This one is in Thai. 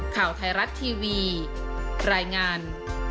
ข่าวไทยรัฐทีวีรายงาน